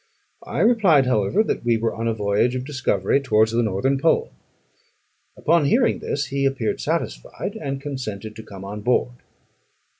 I replied, however, that we were on a voyage of discovery towards the northern pole. Upon hearing this he appeared satisfied, and consented to come on board.